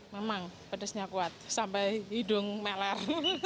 memang pedasnya kuat sampai hidung melar